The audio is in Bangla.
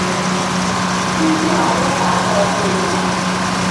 কিন্তু আমরা তা ত্যাগ করবো না।